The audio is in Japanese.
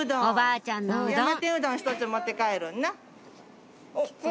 おばあちゃんのうどん山天うどん１つ持って帰るんな。